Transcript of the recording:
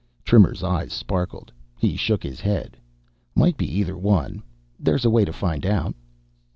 Trimmer's eyes sparkled. He shook his head. "Might be either one. There's a way to find out."